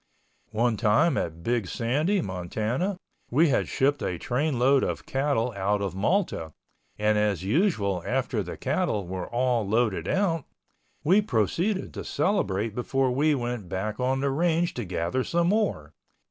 One time at Big Sandy, Montana, we had shipped a train load of cattle out of Malta, and as usual after the cattle were all loaded out, we proceeded to celebrate before we went back on the range to gather some more.